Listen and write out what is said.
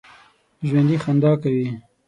ژوندي خندا کوي